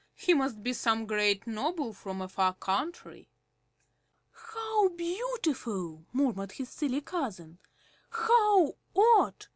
"He must be some great noble from a far country." "How beautiful!" murmured his silly cousin. "How odd!